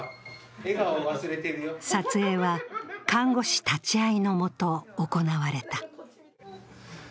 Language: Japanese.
撮影は、看護師立ち会いの下行われた。